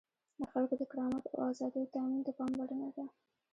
د خلکو د کرامت او آزادیو تأمین ته پاملرنه ده.